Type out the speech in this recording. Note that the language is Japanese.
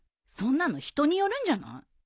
そんなの人によるんじゃない。